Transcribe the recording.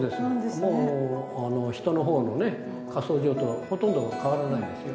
もう人の方のね火葬場とほとんど変わらないですよ。